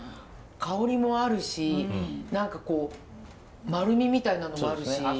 香りもあるし何かこう丸みみたいなのもあるし。